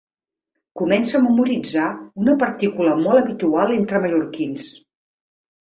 Comença a memoritzar una partícula molt habitual entre mallorquins.